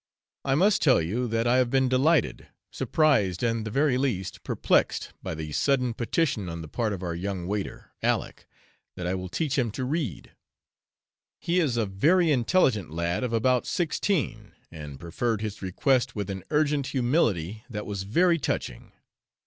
I must tell you that I have been delighted, surprised, and the very least perplexed, by the sudden petition on the part of our young waiter, Aleck, that I will teach him to read. He is a very intelligent lad of about sixteen, and preferred his request with an urgent humility that was very touching.